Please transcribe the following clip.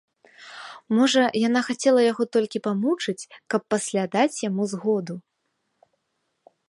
Можа, яна хацела яго толькі памучыць, каб пасля даць яму згоду.